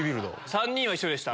３人は一緒でした。